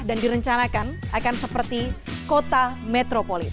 dan direncanakan akan seperti kota metropolita